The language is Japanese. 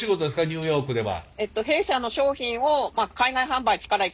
ニューヨークでは。